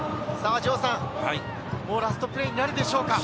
もうラストプレーになるでしょうか。